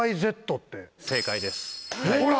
ほら！